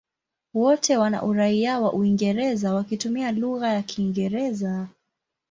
Wote wana uraia wa Uingereza wakitumia lugha ya Kiingereza.